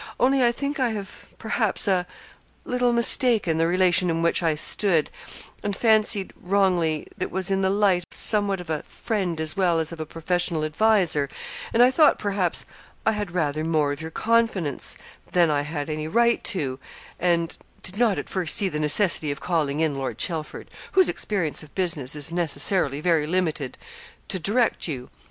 'Only, I think, I have, perhaps, a little mistaken the relation in which I stood, and fancied, wrongly, it was in the light somewhat of a friend as well as of a professional adviser; and I thought, perhaps, I had rather more of your confidence than I had any right to, and did not at first see the necessity of calling in Lord Chelford, whose experience of business is necessarily very limited, to direct you.